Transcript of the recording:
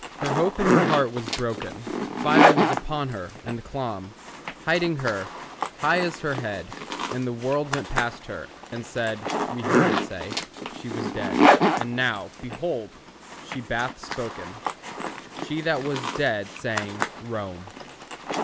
Her hope in her heart was broken, Fire was upon her, and clomb, Hiding her, high as her head; And the world went past her, and said (We heard it say) she was dead; And now, behold, she bath spoken, She that was dead, saying, "Rome."